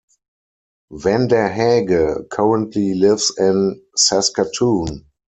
Vanderhaeghe currently lives in Saskatoon.